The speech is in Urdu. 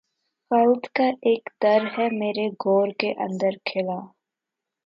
خلد کا اک در ہے میری گور کے اندر کھلا